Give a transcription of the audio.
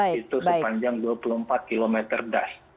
itu sepanjang dua puluh empat km das